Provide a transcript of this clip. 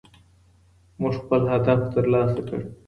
موږ خپل هدف ترلاسه کړ.